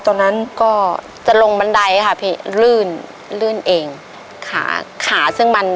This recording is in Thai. ตอนนั้นก็จะลงบันไดค่ะพี่ลื่นลื่นเองขาขาซึ่งมัน